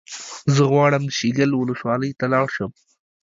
زه غواړم شیګل ولسوالۍ ته لاړ شم